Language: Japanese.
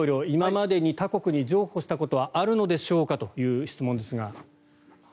今までに他国に譲歩したことはあるのでしょうかという質問ですが。